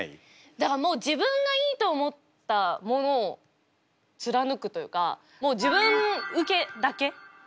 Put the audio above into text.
だからもう自分がいいと思ったものを貫くというかもう自分受けだけ。